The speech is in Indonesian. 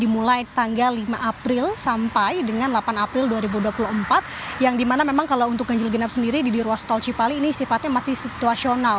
mulai tanggal lima april sampai dengan delapan april dua ribu dua puluh empat yang dimana memang kalau untuk ganjil genap sendiri di ruas tol cipali ini sifatnya masih situasional